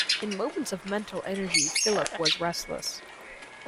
In moments of mental energy Philip was restless.